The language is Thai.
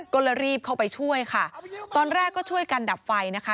ก็เลยรีบเข้าไปช่วยค่ะตอนแรกก็ช่วยกันดับไฟนะคะ